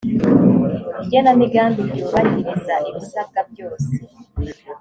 igenamigambi ryubahiriza ibisabwa byose